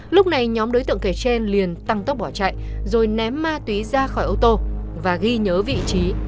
lúc này nhóm đối tượng kể trên liền tăng tốc bỏ chạy rồi ném ma túy ra khỏi ô tô và ghi nhớ vị trí